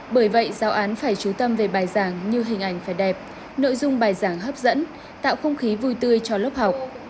bởi vậy giáo án phải trú tâm về bài giảng như hình ảnh phải đẹp nội dung bài giảng hấp dẫn tạo không khí vui tươi cho lớp học